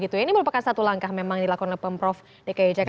ini merupakan satu langkah memang yang dilakukan oleh pemprov dki jakarta